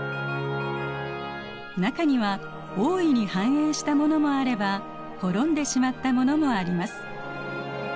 中には大いに繁栄したものもあれば滅んでしまったものもあります。